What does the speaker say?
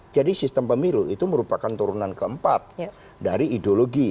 jadi sistem pemilu itu merupakan turunan keempat dari ideologi